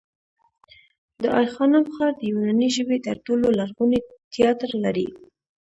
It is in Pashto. د آی خانم ښار د یوناني ژبې تر ټولو لرغونی تیاتر لري